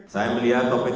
saya melihat topik ini